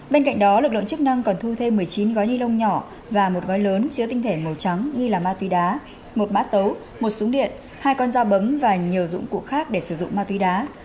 bên cạnh đó lực lượng chức năng còn thu thêm một mươi chín gói ni lông nhỏ và một gói lớn chứa tinh thể màu trắng nghi là ma túy đá một mã tấu một súng điện hai con dao bấm và nhiều dụng cụ khác để sử dụng ma túy đá